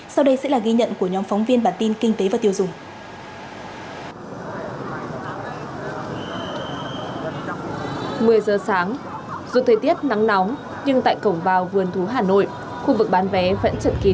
sau đây sẽ là ghi nhận của nhóm phóng viên bản tin kinh tế và tiêu dùng